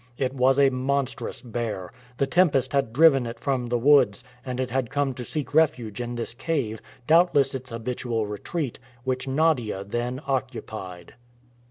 It was a monstrous bear. The tempest had driven it from the woods, and it had come to seek refuge in this cave, doubtless its habitual retreat, which Nadia then occupied.